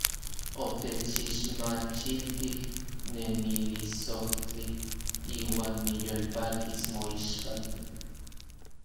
Otechixmachiltij nemilisojtli; iuan niyolpakis moixpan.